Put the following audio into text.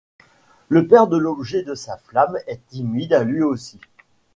Le père de l'objet de sa flamme est timide lui aussi.